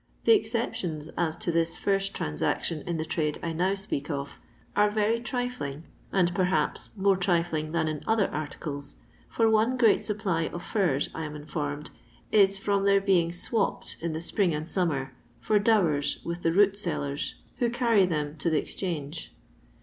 The exceptions as to this first transaction in t)ie trade I now speak of, are very trifling, and, perhaps, more trifling than in other articles, for one great supply of furs, I am informed, is from their being swopped in the spring and summer for flowers with the " root sellers," who carry them to the Exchange.